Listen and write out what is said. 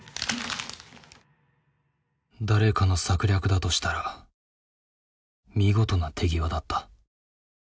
誰かの策略だとしたら見事な手際だった。